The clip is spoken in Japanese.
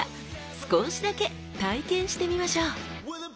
少しだけ体験してみましょう！